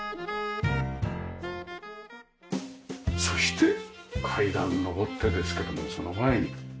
そして階段を上ってですけどもその前に。